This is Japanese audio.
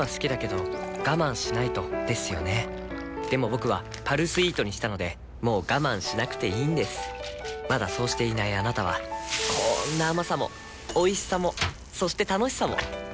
僕は「パルスイート」にしたのでもう我慢しなくていいんですまだそうしていないあなたはこんな甘さもおいしさもそして楽しさもあちっ。